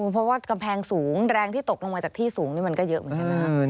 เพราะว่ากำแพงสูงแรงที่ตกลงมาจากที่สูงนี่มันก็เยอะเหมือนกันนะ